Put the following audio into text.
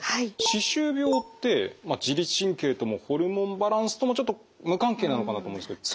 歯周病って自律神経ともホルモンバランスともちょっと無関係なのかなと思うんですけど。